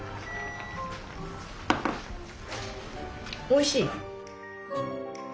おいしい。